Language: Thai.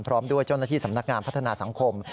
พร้อมด้วยเจ้าหน้าที่สำนักงานพัฒนาสังคม